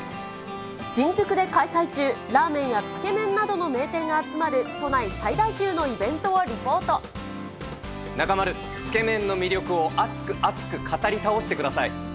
新宿で開催中、ラーメンやつけ麺などの名店が集まる都内最大級のイベントをリポ中丸、つけ麺の魅力を熱く熱く語り倒してください。